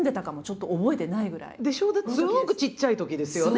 すごくちっちゃいときですよね